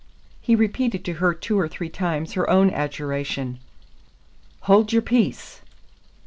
He repeated to her two or three times her own adjuration, "Hold your peace!"